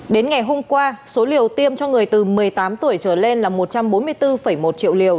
đến ngày hôm qua số liều tiêm cho người từ một mươi tám tuổi trở lên là một trăm bốn mươi bốn một triệu liều